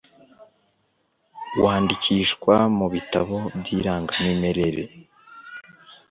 wandikishwa mu bitabo by'irangamimerere